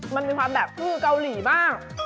มันมีความแบบอื้อเกาหลีบ้าง